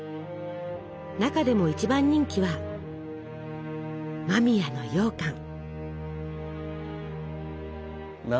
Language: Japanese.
中でも一番人気は間宮のようかん。